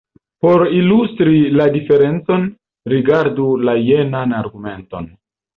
Por ilustri la diferencon, rigardu la jenan argumenton.